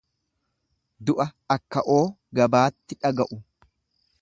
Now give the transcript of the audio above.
Du'a akka'oo gabaatti dhaga'u.